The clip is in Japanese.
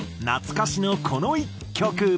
懐かしのこの１曲。